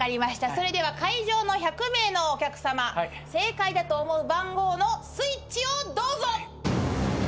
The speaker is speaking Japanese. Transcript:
それでは会場の１００名のお客さま正解だと思う番号のスイッチをどうぞ。